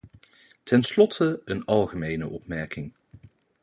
Tenslotte een algemene opmerking.